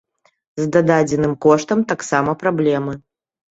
З дададзеным коштам таксама праблемы.